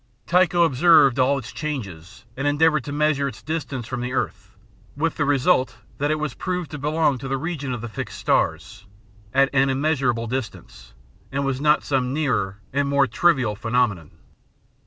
Tycho observed all its changes, and endeavoured to measure its distance from the earth, with the result that it was proved to belong to the region of the fixed stars, at an immeasurable distance, and was not some nearer and more trivial phenomenon.